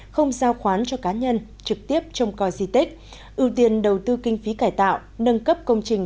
không giao khoán cho cá nhân trực tiếp trong coi di tích ưu tiên đầu tư kinh phí cải tạo nâng cấp công trình